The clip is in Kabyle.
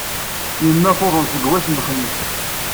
Yemma tuḍen seg wass n lexmis.